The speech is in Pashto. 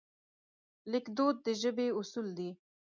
لیکدود د ژبې اصول دي.